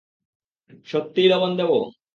সত্যিই লবণ দেব?